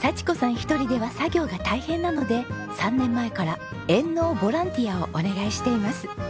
一人では作業が大変なので３年前から援農ボランティアをお願いしています。